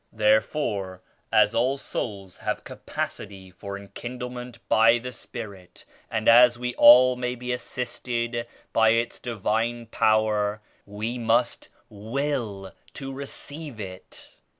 Therefore as all souls have capacity for enkindlement by the Spirit and as we may all be assisted by Its Divine Power, we must will to receive it."